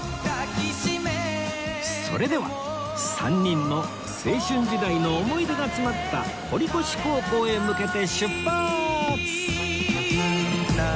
それでは３人の青春時代の思い出が詰まった堀越高校へ向けて出発！